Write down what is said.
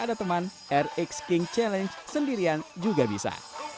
ada teman rx king challenge sendirian juga bisa